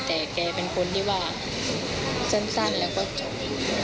แต่แกเป็นคนที่ว่าสั้นแล้วก็จบ